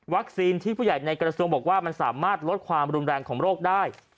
ที่ผู้ใหญ่ในกระทรวงบอกว่ามันสามารถลดความรุนแรงของโรคได้